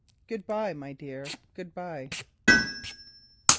"GOOD BYE, MY DEAR, GOOD BYE!"